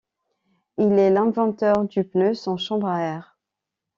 Il est l'inventeur du pneu sans chambre à air.